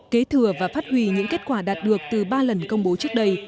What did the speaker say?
kế thừa và phát huy những kết quả đạt được từ ba lần công bố trước đây